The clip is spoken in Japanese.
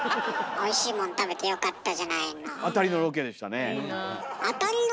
おいしいもん食べてよかったじゃないの。